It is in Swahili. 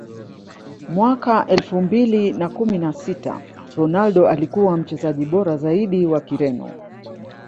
mwaka elfu mbili na kumi na sita Ronaldo alikuwa Mchezaji bora zaidi wa Kireno